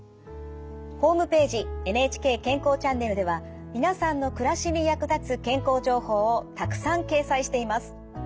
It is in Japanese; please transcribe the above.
ホームページ「ＮＨＫ健康チャンネル」では皆さんの暮らしに役立つ健康情報をたくさん掲載しています。